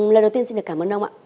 lần đầu tiên xin cảm ơn ông ạ